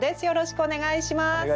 よろしくお願いします。